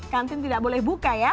kantin tidak boleh buka ya